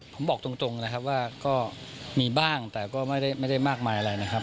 ผมบอกตรงนะครับว่าก็มีบ้างแต่ก็ไม่ได้มากมายอะไรนะครับ